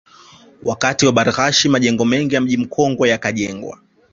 Wakati wa Bargash majengo mengi ya Mji Mkongwe yakajengwa